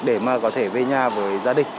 để mà có thể về nhà với gia đình